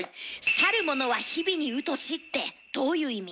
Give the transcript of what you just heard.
「去る者は日々に疎し」ってどういう意味？